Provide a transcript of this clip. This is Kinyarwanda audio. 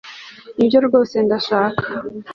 nibyo rwose ndashaka